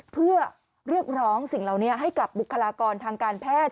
เพื่อเรียกร้องสิ่งเหล่านี้ให้กับบุคลากรทางการแพทย์